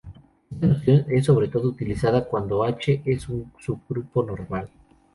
Esta noción es sobre todo utilizada cuando H es un subgrupo normal.